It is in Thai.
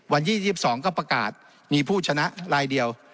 วันที่๒๒ก็ประกาศมีผู้ชนะลายเดียว